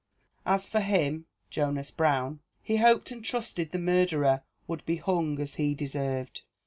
As for him (Jonas Brown), he hoped and trusted the murderer would be hung as he deserved."